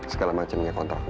segala macamnya kontrak kerja